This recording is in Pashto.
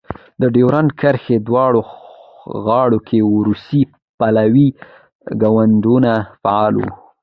د ډیورند کرښې دواړو غاړو کې روسي پلوی ګوندونه فعال وو.